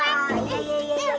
kamu gak akan enak tau